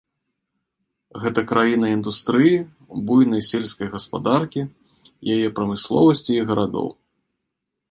Гэта краіна індустрыі, буйнай сельскай гаспадаркі, яе прамысловасці і гарадоў.